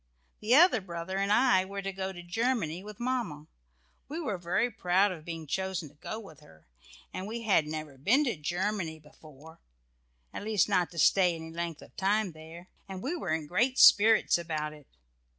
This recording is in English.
The other brother and I were to go to Germany with Mamma. We were very proud of being chosen to go with her, and we had never been to Germany before, at least not to stay any length of time there, and we were in great spirits about it.